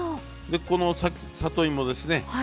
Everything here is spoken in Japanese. でこの里芋ですね。